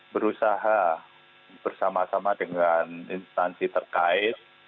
berusaha bersama sama dengan instansi terkait